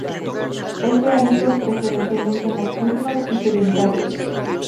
Es de hábitos preferentemente nocturnos y sedentarios.